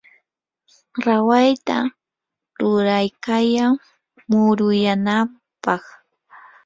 rawayta ruraykayan muruyanampaq.